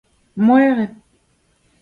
moereb